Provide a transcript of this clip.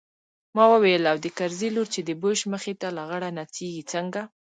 ما وويل او د کرزي لور چې د بوش مخې ته لغړه نڅېږي څنګه.